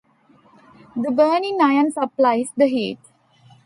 The burning iron supplies the heat.